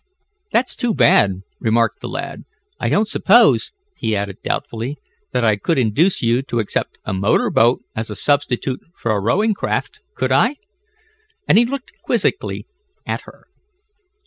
"That's too bad!" remarked the lad. "I don't suppose," he added doubtfully, "that I could induce you to accept a motor boat as a substitute for a rowing craft, could I?" and he looked quizzically at her.